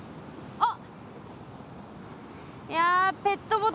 あっ。